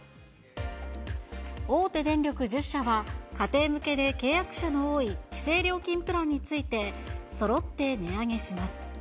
大手電力１０社は、家庭向けで契約者の多い規制料金プランについて、そろって値上げします。